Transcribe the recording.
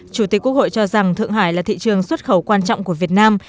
chủ tịch quốc hội cho rằng thượng hải là thị trường xuất khẩu quan trọng của việt nam